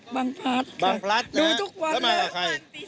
บางพลัชนะ